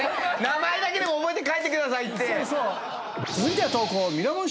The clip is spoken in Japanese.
名前だけでも覚えて帰ってくださいって。